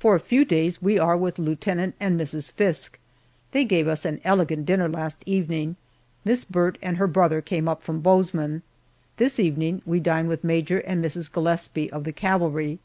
For a few days we are with Lieutenant and Mrs. Fiske. They gave us an elegant dinner last evening. Miss Burt and her brother came up from Bozeman. This evening we dine with Major and Mrs. Gillespie of the cavalry.